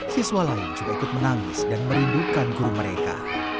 siswa lain juga ikut menangis dan merindukan guru mereka